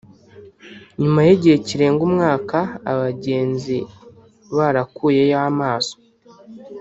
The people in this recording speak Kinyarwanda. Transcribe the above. nyuma y’igihe kirenga umwaka abagenzi barakuyeyo amaso